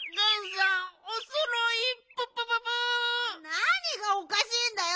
なにがおかしいんだよ。